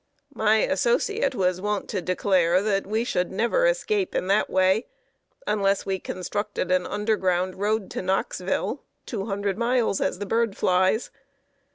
My associate was wont to declare that we should never escape in that way, unless we constructed an underground road to Knoxville two hundred miles as the bird flies!